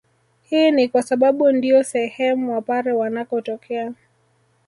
Hii ni kwasababu ndiyo sehem wapare wanakotokea